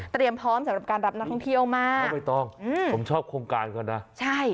เตรียมพร้อมสำหรับการรับนักท่องเที่ยวมากไม่ต้องอืมผมชอบโครงการก่อนนะใช่